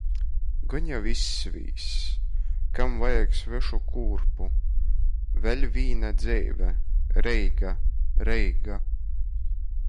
Gon jau izsvīss. Kam vajag svešu kūrpu. Vēļ vīna dzeive. Reiga, Reiga.